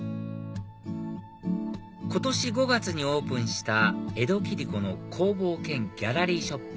今年５月にオープンした江戸切子の工房兼ギャラリーショップ